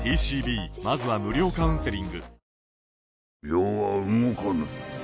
余は動かぬ。